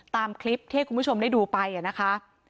ตามคลิปที่ให้คุณผู้ชมได้ดูไปนะคะ